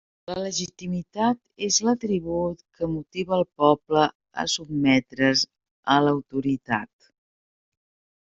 La legitimitat és l'atribut que motiva el poble a sotmetre's a l'autoritat.